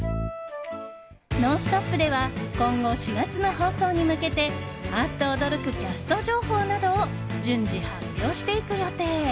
「ノンストップ！」では今後４月の放送に向けてあっと驚くキャスト情報などを順次発表していく予定。